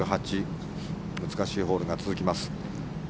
難しいホールが続きます。